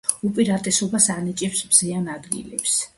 უპირატესობას ანიჭებს მზიან ადგილებს.